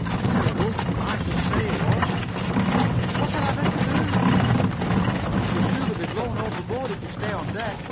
"Terrible! I should say it was!" "What had I better do?" "You'll surely be blown overboard if you stay on deck.